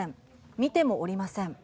見てもおりません。